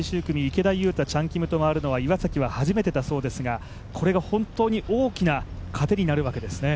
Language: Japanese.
池田勇太、チャン・キムと回るのは岩崎は初めてだそうですが、これが本当に大きな糧になるわけですね。